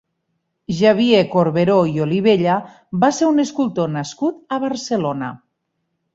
Xavier Corberó i Olivella va ser un escultor nascut a Barcelona.